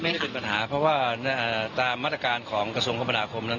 ไม่ได้เป็นปัญหาเพราะว่าตามมาตรการของกระทรวงคมนาคมนั้น